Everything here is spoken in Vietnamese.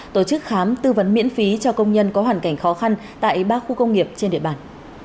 tổ chức khám tư vấn miễn phí cho công nhân có hoàn cảnh khó khăn tại ba khu công nghiệp trên địa bàn